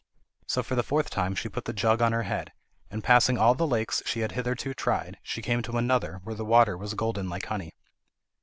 So for the fourth time she put her jug on her head, and passing all the lakes she had hitherto tried, she came to another, where the water was golden like honey.